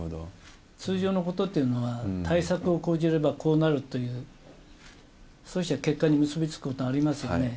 通常のことっていうのは、対策を講じればこうなるという、そして結果に結び付くことありますよね。